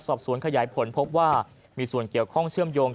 สอบสวนขยายผลพบว่ามีส่วนเกี่ยวข้องเชื่อมโยง